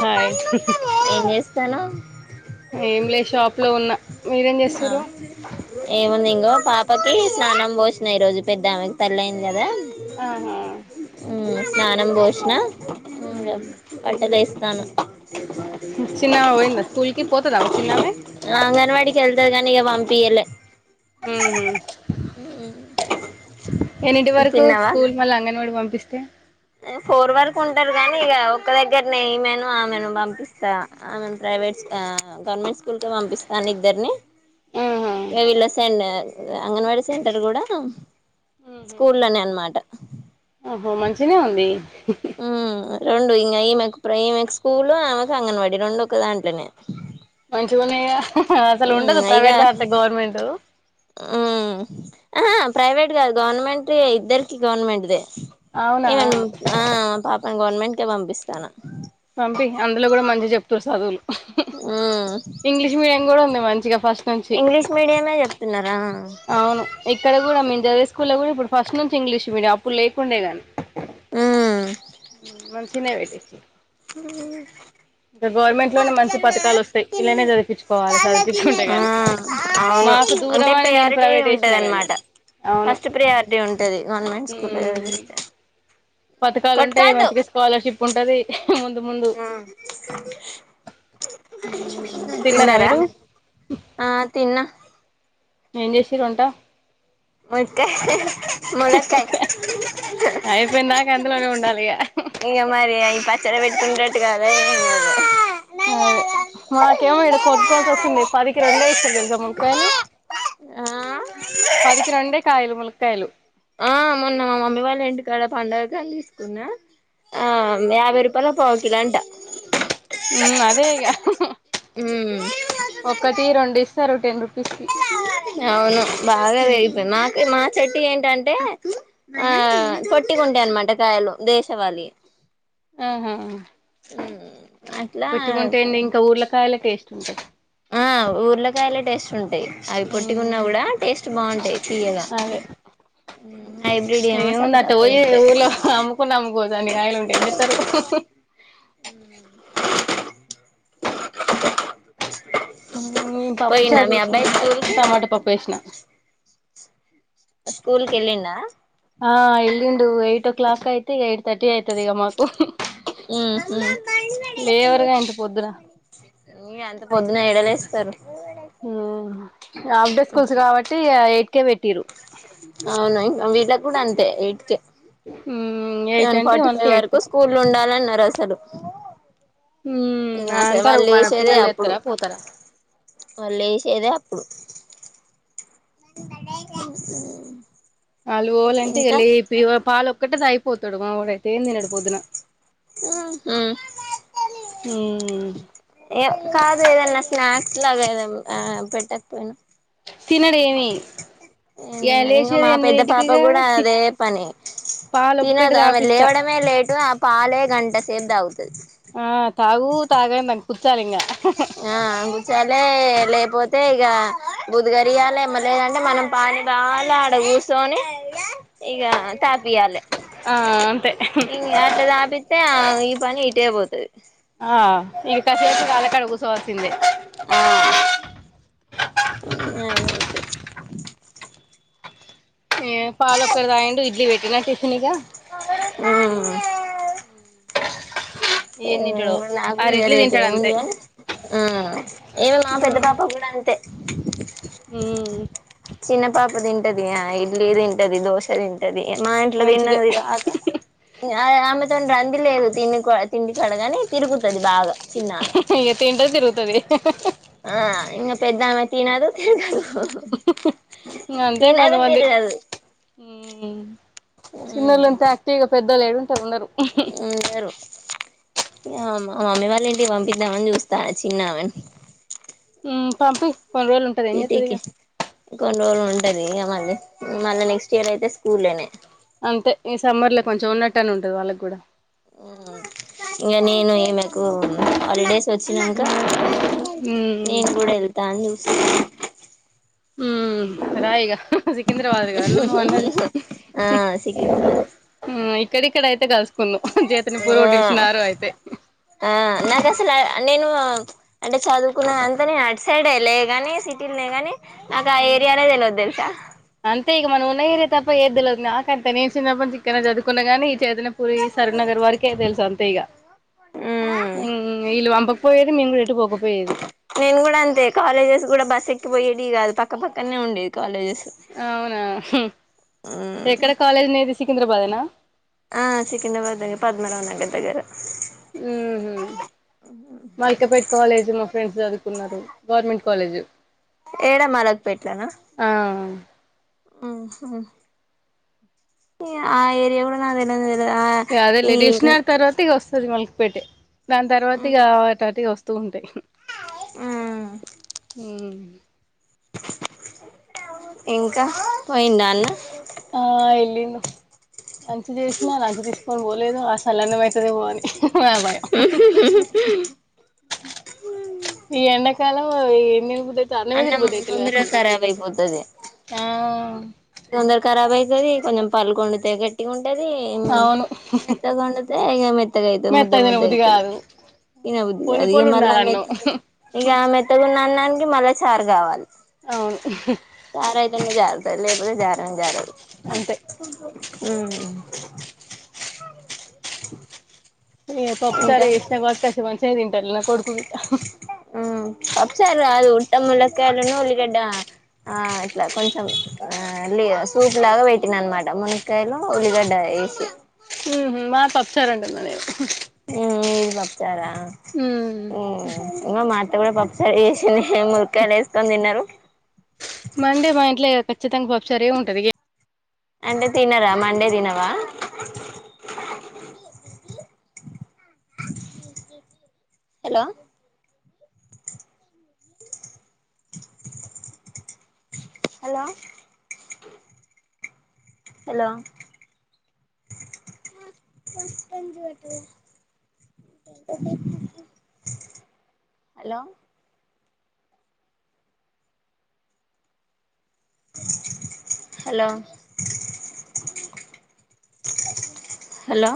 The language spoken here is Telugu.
హాయ్ ఏం చేస్తానవ్ ఏం లే షాప్ లో ఉన్నా మీరేం చేస్తుర్రు ఏముంది ఇంగో పాపకి స్నానం పోసిన ఈ రోజు పెద్ద ఆమెకి తల్లి అయింది కదా ఆహా మ్ స్నానం బోషినా ఇంగ బట్టలు వేస్తాను చిన్నామే పోయిందా స్కూల్ కి పోతదా మరి చిన్నామే అంగన్వాడికి వెళ్తాది కాని ఇంకా పంపియలే ఉహు ఎన్నిటి వరకు తిన్నవా స్కూల్ మళ్ళ అంగన్వాడి పంపి పిస్తే ఫోర్ వరకు ఉంటారు కాగానీ ఇక ఒక్క దగ్గరనే ఇమేను ఆమెను పంపిస్తా ఆమెను ప్రైవేట్ గవర్నమెంట్ స్కూల్ కే పంపిస్తాన ఇద్దరిని ఆహా ఇక వీళ్ళ సె అంగన్వాడ సెంటర్ కూడ స్కూల్ లనే అనమాట మంచిగనే ఉంది హమ్ రెండు ఇంకా ఈమెకు ఇప్పు ఈమెకు స్కూలు ఆమెకు అంగన్వాడీ రెండు ఒక దాంట్లోనే మంచిగున్నయ గా అసలు ఉండద ప్రైవేట్ దాట్లే గవర్నమెంట్ హ్మ్ ఆహా ప్రైవేట్ కాదు గవర్నమెంటే ఇద్దరికి గవర్నమెంట్టే అవునా ఇవన్ ఆ పాపం గవర్నమెంట్ కే పంపిస్తాన పంపియి అందులో కూడా మంచిగా చెప్తురు చదువులు ఉమ్ ఇంగ్లీష్ మీడియం కూడా ఉంది మంచి ఇగ ఫస్ట్ నుంచి ఇంగ్లీష్ మీడియమే చెప్తున్నారా అవును ఇక్కడ కూడం మేమ్ చదివే స్కూల్లో కూడా ఇప్పుడు ఫస్ట్ నుంచి ఇంగ్లీష్ మీడియం అప్పుడు లేకుండేగా ఊవ్ మంచిగనే చదివించిర్రు ఇంకా గవర్నమెంట్ లోనే మంచి పథకాలు వస్తాయి ఇలానే చదిపించుకోవాలి చదిపించుకుంటే ఆ కాని మాకు దూరం అని నేను టే ప్రైవేట్ వేసినా గాని ఉంటదనమాట అవును ఫస్ట్ ప్రియారిటీ ఉంటది గవర్నమెంట్ స్కూల్ లో చదివిస్తే పథకాలు ఉంటే మంచిగా కొట్టుకోవద్దు స్కాలర్షిప్ ఉంటంది ముందు ముందు ఉమ్ తిన్నరా తిన్నారా మీరు. ఆ తిన్నా ఏం చేసేరు వంట ముక్కాయ్ మునక్కాయ అయిపోయిన దాకా అందులోనే ఉండాలి ఇక ఇక మరి పచ్చడి పెట్కు ఇక అదే ఇంక ఉమ్ అదే మాకేమో ఇక్కడ కొట్టుకోవల్సి వస్తుంది పదికి రెండే ఇస్తా తెలిద మునక్కాయలు పదికి రెండే కాయలు మునక్కాయలు. ఆ మొన్న మా మమ్మీ వాళ్ళ ఇంటి కాడ పండగ కా అని తీసుకున్నా ఆ యాభై రూపా ఉమ్ అదే ఇగ ఒకటి రెండు ఇస్తారు టెన్ రు అవును బాగా చేసిండు నాకె న చెట్టు ఏంటంటే ఆ పొట్టిగ ఉంటాయి అన్నమాట కాయలు దేశవళి. ఆహ ఉమ్ అట్లా ఇంకా ఊర్లకాయలే టేస్ట్ ఉంటది ఆ ఊర్లకాయలే టేస్ట్ ఉంటయి అవి పొట్టికున్నా కూడా టేస్ట్ బాగుంటాయి తీయగా అదే హైబ్రిడ్ ఏమో సప్ప ఏముంది అట్ట సప్పగా పోయే ఉంటాయి ఊర్లో అమ్ముకుం అమ్ముకొన్నాం అనుకో అన్ని కాయలు ఉంటె ఏం చేస్తరు పప్పు పోయిండా చారు మీ చేసినాం అబ్బాయి ఇ యాళ స్కూల్ కి టమాటా పప్పు చేసినా స్కూల్కి వెళ్ళిండా ఆ ఎల్లిండు ఎయిట్ ఓ క్లాక్ ఐతె థర్టీ అయితది ఇక మాకు లేవరుగా ఇంత పొద్దురా అంత పొద్దున ఎడలేస్తారు ఉమ్ హాఫ్ డే స్కూల్స్ కాబట్టి ఎ ఉర్కే పెట్టిరు అవును అం ఇలా కుడా అంటె యీట్కె ఎయిట్ సెవెన్ అంటే ఫార్టీ వన్ కి ఫైవ్ ఎయిట్ వరకు థర్టీ స్కూల్ ఉండాలన్నారు అసలు హుమ్ ఇంగ అ అసలు అంటారు వాళ్ళు మన పిల్లలు లేస్తారా పోతారా వాళ్ళేసే దె అప్పుడు వాళ్ళు పోవాలంటే ఇంకా లేపి గా పాలు ఒకక్కటది అయిపోతాడు మా అవడ ఏం తిన్నాడు పొద్దున ఉహు అ ఏ కాదు ఏదన్నా స్నాక్స్ లాగా ఏద పెట్టకపోయినా తినడేమి ఏ ఇంకా మా పెద్ద పాప కూడా అదే పని పాలు ఒక్కటి తినదు ఆమె తాపిస్తా లేవడమే లేటు పాలే గంటసేపు తాగు ఆ తాగుతాగు అని కుచ్చాలింగా ఆ గుచ్చాలే లేపోతే అయితే ఇక బుదగరియాలె ఏమలేదంటే మనం పానిబాల ఆడ కూర్చొని ఇగ తాపియాలె ఆ అంతే ఇ అట్లా తాపిస్తతే ఈ పని ఇ టేపోతది, ఆ ఇగ కసేపు [unintelligible] కూసోచ్చు. తిన్లే ఆ ఇగ అదె అయితది. ఏ పాలు ఒక్కటి తాగిండు ఇడ్లీ పెట్టిన టి తినిగా ఆ ఏన్ని పోదువులే ఆగు ఇగ రేపు ఏముంది కాని ఆ ఎ మా పెద్ద పాప కూడా అంతే ఉమ్ చిన్న పాప తింటది యా ఇడ్లీ తింటది, దోశ తింటది. మా ఇంట్ల మంచిదే తిన్నదికాక ఇగ ఆమె దాని రందిలేదు తినే కాడా తిండి కడగాని తిరుగుతది బాగా చిన్నమె ఇగ తింటది తిరుగుతది హ హ ఆ ఇంగ పెద్దామె తినదు, తిరగదు. హ్ హ్ ఇగ అంతే తినదు కొంతమంది తిరగదు చిన్నోళ్ళంత యాక్టివ్గా పెద్ద ల్లు ఏడుంటరు ఉండరు. ఉండరు. ఇగ మా మమ్మీ వాళ్ళ ఇంటికి పంపిద్దామని చూస్తాన్న చిన్నామేని హ్మ్ పంపియి కొన్ని రోజులు ఉంటది ఎం చేత్తది ఇగ రోల్ ఉంటది ఇగ మళ్ళీ మళ్ళ నెక్స్ట్ ఇయర్ అయితే స్కూల్ అంతే ఈ సమ్మర్ లో కొంచెం ఉన్నట్టు అన్న ఉంటది వాళ్ళకి కూడా ఇంగ నేను ఇమెకు హాలిడేస్ వచ్చినంక మ్మ్ నేను కూడా ఎళ్తా అని చూస్ హ్మ్ రాయిగా సికింద్రాబాద్ గద నువ్వు అన్నది ఆ సికింద్రాబాద్ ఇక్కడిక్కడైతే కు చేతని పూర్గు ఆ నిలిచినారు అయితే ఆ నాకు అసలు నేను అంటే చదువుకున్న అంతా నేను అటు సైడ్ లే గాని సిటీ లే ని నాకు ఆ మ్మ్ ఏరియానే తెలవద్దు తెలుసా ప్ప ఏద్ తెలద్ నాక్ అంత నే చిన్నప్పని ఇక్కనే చదువుకున్న గాని. చేదనపురి సరుర్ నగర్ వరకే తెలుసు అంతే హు ఇల్ వంబ పోయేది మేం గూడ ఎటు బో నేన్ కూడా అంతే కాలేజెస్ కూడా బస్క్ క్కి పోయేది కాద్ పక్క పక్కనే ఉండేది కాలేజ్ అవునా హు మ్మ్ ఎక్కడ కాలేజ్ నీది సికింద్రాబాద్ ఏనా ఆ సికింద్రాబాద్ ఏ పద్మనారావ్ నగర్ దగ్గర మ్మ్ హు మల్కపేట్ కాలేజ్ మో ఫ్రెండ్స్ చదువుకున్నరు గవర్నమెంట్ కాలేజ్ ఏడ మలక్ పేట్లనా ఆ ఏరియా కూడా నాక్ తెలదే ఇగ అదే లే దిల్సినాగర్ తర్వాత్ ఇగ వస్ సరి మల్ కి పేటె దాన్ తర్వాత్ ఇగా వాటట్ వస్ వూ ఉంటాయి హమ్ హమ్ ఇంకా పోయిండా అన్న ఆ ఎల్లుండు లంచ్ చేసినా లంచ్ తీసుకొని పోలేదు, ఆ సలన్నమ్ అయితాదేమో అని నా భయం ఈ ఎండాకాలం. ఓ ఈవినింగ్ పోయి అన్నమ్మ తొందర ఖరాబ్ ఐపోతుంది ఆ తొందర ఖరాబ్ అవుతుది కొంచెం పల్లు కొడుత కట్టి ఉంట అది ఉందా అవును పొందగుండ థె ఇంకా ముద్ద మెత్తగ ముద్ద తినబుద్ది అవుతుది కాదు ఇ బు పొళ్ళు అది పొళ్ళు మల్ ఉండాలి ఆమెత్త అన్నం ఆమె తగ న మళ్ళ చార్ కావాలి అవును చారా ఇయితే జారారుత జారా జారుత అంతే అ అ న తప్తార ఎష్ నాగ వకాశ వంత సేంట అ కువిత సర కాదు ఉట్ట ముల్లక్కయలులను ఉల్లిగడ్డ ఆ ఇట్లా కొంచెం ఆ లే సూపు లాగా పెట్టిన అనమాట మునక్కయలు ఉల్లిగడ్డ వేసి మా తప్పచ్చారుంంద నేను ఉ ఇది మా విచ్చారా ఉమ్ ఇ మా ఎ కూడా పసేసిిన ఏ ములకాయలు వేస్తు తిన్నారు మండే మా ఇంట్లో ఖచ్చితంగా బప్సార ఏమి ఉంటది అంటే తినరా మండే తినవా hello hello hello hello hello hello